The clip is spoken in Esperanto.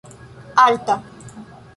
alta